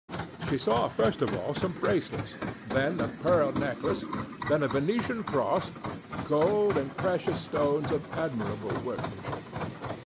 She saw first of all some bracelets, then a pearl necklace, then a Venetian cross, gold and precious stones of admirable workmanship.